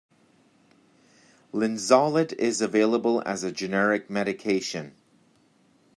Linezolid is available as a generic medication.